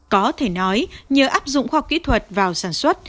có thể nói nhờ áp dụng khoa học kỹ thuật vào sản xuất